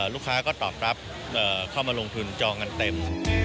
ลูกค้าก็ตอบรับเข้ามาลงทุนจองกันเต็ม